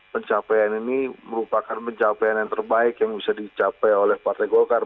pencapaian ini merupakan pencapaian yang terbaik yang bisa dicapai oleh partai golkar